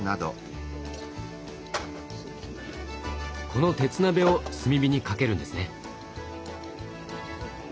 この鉄鍋を炭火にかけるんですね。